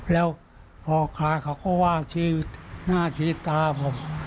แล้วพอขายเขาก็ว่าชีวิตหน้าชีตาผม